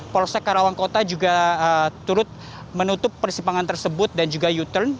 polsek karawang kota juga turut menutup persimpangan tersebut dan juga u turn